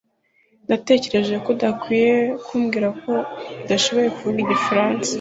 Natekereje ko wambwiye ko udashobora kuvuga igifaransa